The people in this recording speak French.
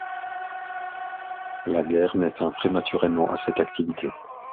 La guerre met fin prématurément à cette activité.